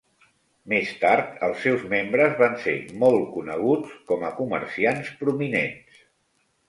Més tard els seus membres van ser molt coneguts com a comerciants prominents.